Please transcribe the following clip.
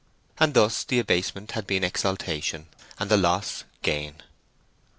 And thus the abasement had been exaltation, and the loss gain.